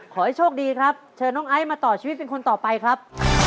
ขอให้โชคดีครับเชิญน้องไอซ์มาต่อชีวิตเป็นคนต่อไปครับ